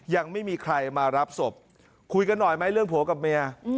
ยังไม่มีใครมารับศพคุยกันหน่อยไหมเรื่องผัวกับเมีย